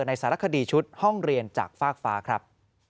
สารคดีชุดห้องเรียนจากฟากฟ้าครับ